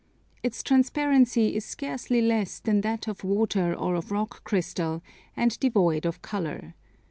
Its transparency is scarcely less than that of water or of Rock Crystal, and devoid of colour.